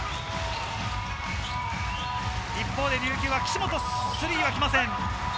一方で琉球は岸本のスリーはきません。